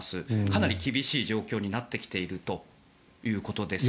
かなり厳しい状況になってきているということです。